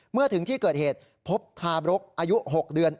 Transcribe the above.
เมื่อถึงที่เกิดเหตุพบทาบรกอายุ๖เดือน